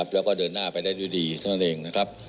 และเดินหน้าไปได้ดีเท่านั้นเอง